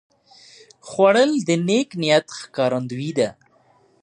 خوړل د نیک نیت ښکارندویي ده